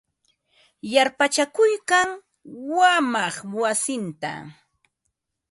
Yarpachakuykan wamaq wasinta.